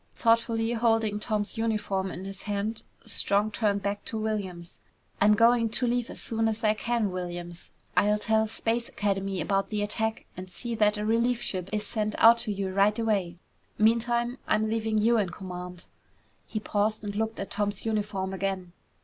Thoughtfully holding Tom's uniform in his hand, Strong turned back to Williams. "I'm going to leave as soon as I can, Williams. I'll tell Space Academy about the attack and see that a relief ship is sent out to you right away. Meantime, I'm leaving you in command." He paused and looked at Tom's uniform again.